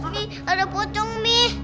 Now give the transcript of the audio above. mi ada pocong mi